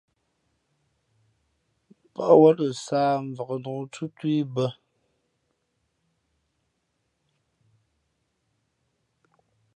Pά wěn lα sāh mvǎk nǒktú tú i bᾱ.